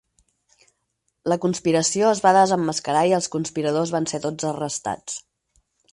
La conspiració es va desemmascarar i els conspiradors van ser tots arrestats.